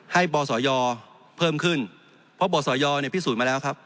บศยเพิ่มขึ้นเพราะบศยเนี่ยพิสูจน์มาแล้วครับ